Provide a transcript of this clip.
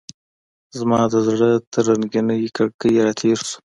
زما د زړه تر رنګینې کړکۍ راتیر شو